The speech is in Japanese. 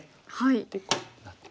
でこうなって。